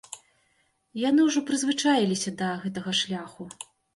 Яны ўжо прызвычаіліся да гэтага шляху.